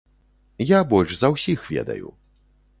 Я больш за ўсіх ведаю.